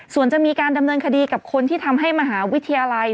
ส่วนจะมีการดำเนินคดีกับคนที่ทำให้มหาวิทยาลัย